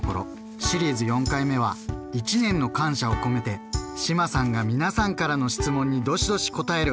シリーズ４回目は１年の感謝を込めて志麻さんが皆さんからの質問にどしどし答える